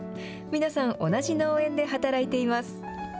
皆さん、同じ農園で働いています。